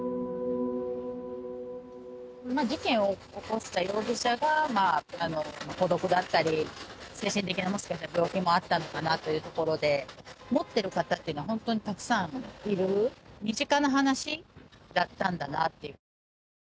事件を起こした容疑者が孤独だったり、精神的な、もしかしたら病気もあったのかなというところで、持ってる方っていうのは、本当にたくさんいる身近な話だったんだなっていう。